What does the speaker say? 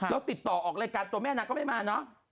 แล้วติดต่อออกรายการตัวแม่นางก็ไม่มาเนอะ